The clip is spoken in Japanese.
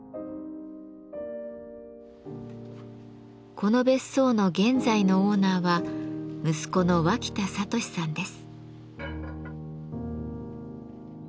この別荘の現在のオーナーは息子の脇田智さんです。